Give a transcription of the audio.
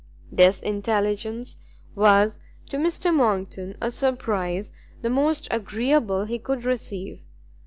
This intelligence was to Mr Monckton a surprise the most agreeable he could receive.